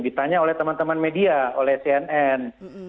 ditanya oleh teman teman media oleh cnn